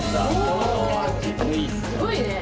すごいね。